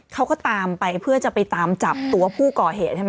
เขาก็ตามไปเพื่อจะไปตามจับตัวผู้ก่อเหตุใช่ไหม